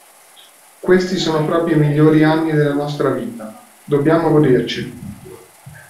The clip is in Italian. Questi sono proprio i migliori anni della nostra vita, dobbiamo goderceli!